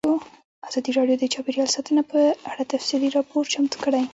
ازادي راډیو د چاپیریال ساتنه په اړه تفصیلي راپور چمتو کړی.